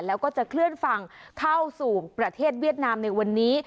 แล้วก็จะเคลื่อนฝั่งเข้าสู่ประเทศเวียดนามในวันนี้